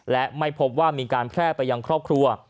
และไม่พบว่ามีการแพร่ไปยังครอบครัว